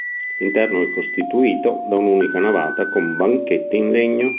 L'interno è costituito da un'unica navata con banchetti in legno.